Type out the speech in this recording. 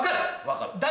分かる。